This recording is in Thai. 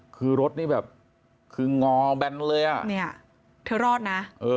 คือรถนี่แบบคืองอแบนเลยอ่ะ